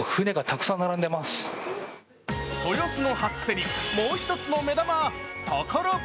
豊洲の初競り、もう一つの目玉や宝船。